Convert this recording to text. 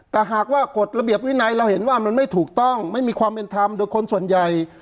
แต่หากว่ากฎระเบียบวินัยเราเห็นว่ามันไม่ถูกต้องไม่มีความเป็นธรรมโดยคนส่วนใหญ่